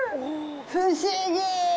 不思議！！